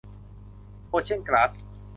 โอเชียนกลาส